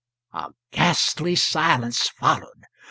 '" A ghastly silence followed.